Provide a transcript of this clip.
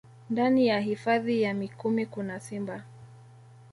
Ndani ya hifadhi ya Mikumi kuna simba